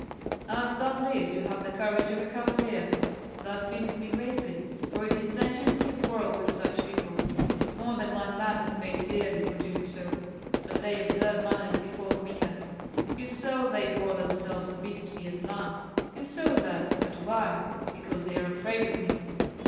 "As God lives, you have the courage of a cavalier. That pleases me greatly, for it is dangerous to quarrel with such people. More than one man has paid dearly for doing so. But they observe manners before Kmita! You saw they bore themselves obediently as lambs; you saw that, but why? Because they are afraid of me."